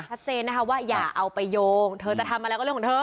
ชัดเจนนะคะว่าอย่าเอาไปโยงเธอจะทำอะไรก็เรื่องของเธอ